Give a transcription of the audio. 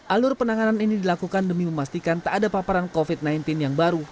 alur penanganan ini dilakukan demi memastikan tak ada paparan covid sembilan belas yang baru